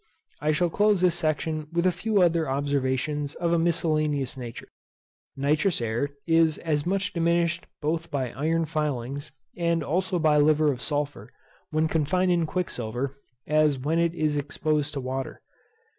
I shall close this section with a few other observations of a miscellaneous nature. Nitrous air is as much diminished both by iron filings, and also by liver of sulphur, when confined in quicksilver, as when it is exposed to water.